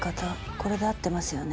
これで合ってますよね。